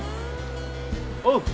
おう！